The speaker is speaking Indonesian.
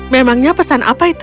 memangnya pesan apa itu